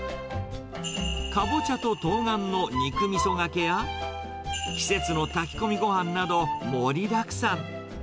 カボチャとトウガンの肉みそがけや、季節の炊き込みごはんなど、盛りだくさん。